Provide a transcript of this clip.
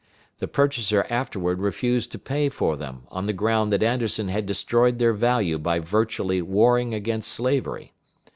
The purchaser afterward refused to pay for them, on the ground that Anderson had destroyed their value by virtually warring against slavery.